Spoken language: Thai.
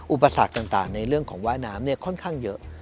อุปสรรคต่างในเรื่องของว่ายน้ำค่อนข้างเยอะ